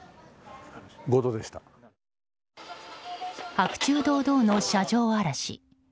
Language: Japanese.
白昼堂々の車上荒らし。